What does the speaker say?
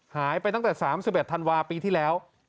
หายไปตั้งแต่๓๑ธันวาปีที่แล้ว